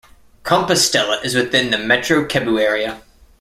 Compostela is within the Metro Cebu area.